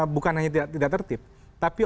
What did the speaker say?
bukan hanya tidak tertib tapi